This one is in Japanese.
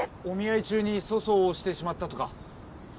お見合い中に粗相をしてしまったとか？